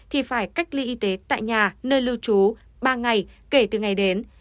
thì phải cách ly y tế tại nhà nơi lưu trú ba ngày kể từ ngày đến